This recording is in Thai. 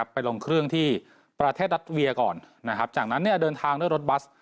ไปลงเครื่องที่ประเทศรัตเวียก่อนจากนั้นเดินทางด้วยรถบัส